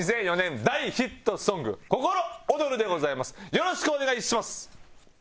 よろしくお願いします！